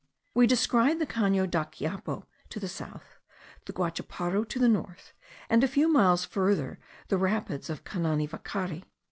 We descried the Cano Daquiapo to the south, the Guachaparu to the north, and a few miles further, the rapids of Cananivacari.